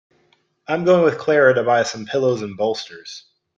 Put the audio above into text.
I'm going with Clara to buy some pillows and bolsters.